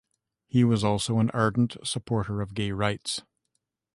He was also an ardent supporter of gay rights.